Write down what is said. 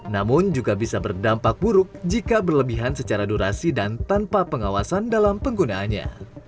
namun juga bisa berdampak buruk jika berlebihan secara durasi dan tanpa pengawasan dalam penggunaannya